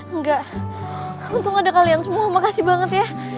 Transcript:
enggak untung ada kalian semua makasih banget ya